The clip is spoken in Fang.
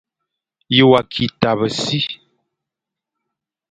Ye wa ki tabe si ?